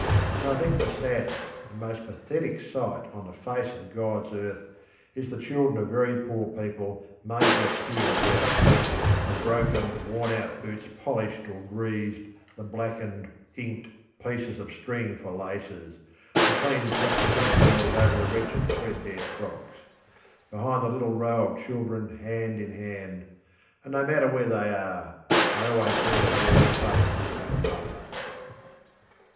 And I think the saddest and most pathetic sight on the face of GodŌĆÖs earth is the children of very poor people made to appear well: the broken worn out boots polished or greased, the blackened (inked) pieces of string for laces; the clean patched pinafores over the wretched threadbare frocks. Behind the little row of children hand in handŌĆöand no matter where they areŌĆöI always see the worn face of the mother.